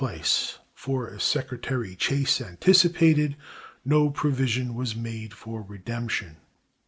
XII), for, as Secretary Chase anticipated, no provision was made for redemption.